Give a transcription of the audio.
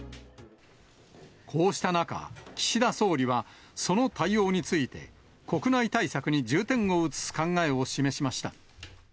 こうした中、岸田総理はその対応について、国内対策に重点を移す考えを示しました。